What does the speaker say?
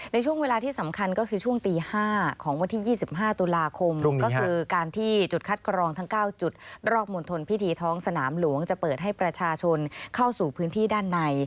ในช่วงเวลาที่สำคัญก็คือช่วงตี๕ของวันที่๒๕ตุลาคมก็คือการที่จุดคัดกรองทั้ง๙จุดรอบมณฑลพิธีท้องสนามหลวงจะเปิดให้ประชาชนเข้าสู่พื้นที่ด้านใน